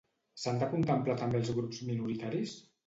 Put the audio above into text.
S'han de contemplar també els grups minoritaris?